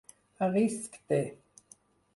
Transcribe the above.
A risc de.